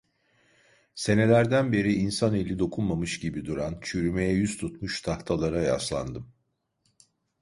Senelerden beri insan eli dokunmamış gibi duran, çürümeye yüz tutmuş tahtalara yaslandım.